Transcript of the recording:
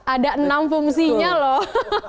ada enam fungsinya loh